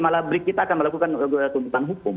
malah kita akan melakukan tuntutan hukum